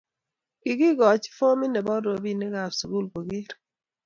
Kikikoch fomit nebo robinikab sukul koker